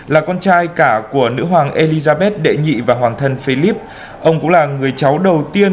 là con trai cả của nữ hoàng elizabeth đệ nhị và hoàng thân philip ông cũng là người cháu đầu tiên